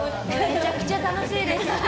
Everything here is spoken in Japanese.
めちゃくちゃ楽しいです。